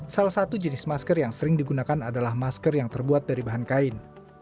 salah satu jenis masker yang sering digunakan adalah masker yang terbuat dari bahan kain